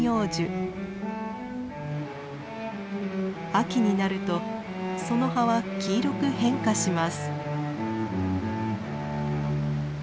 秋になるとその葉は黄色く変化します。